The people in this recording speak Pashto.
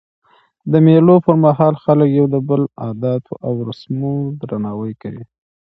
د مېلو پر مهال خلک د یو بل د عادتو او رسمو درناوی کوي.